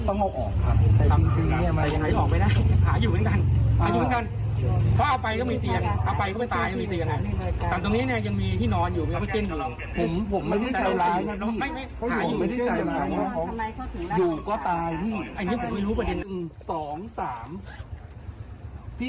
ตรงนี้กำลังกลายเป็นสู่สารค่ะพี่